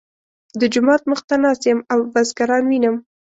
د جومات مخ ته ناست یم او بزګران وینم.